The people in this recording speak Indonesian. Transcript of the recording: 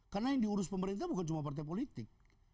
karena yang diurus pemerintah bukan cuma partai politik